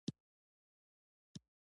دا د اسرا او معراج پر وخت و.